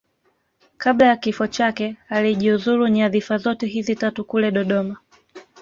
Kabla ya kifo chake alijiuzulu nyadhifa zote hizi tatu kule Dodoma